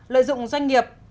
bảy lợi dụng doanh nghiệp